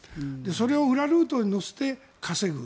それを裏ルートに乗せて稼ぐ。